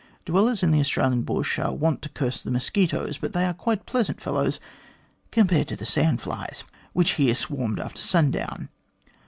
Dwellers in the Australian bush are wont to curse the mosquitoes, but they are quite pleasant fellows compared to the sand flies, which here swarmed after sundown.